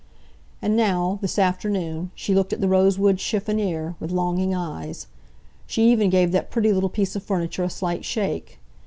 And now, this afternoon, she looked at the rosewood chiffonnier with longing eyes—she even gave that pretty little piece of furniture a slight shake.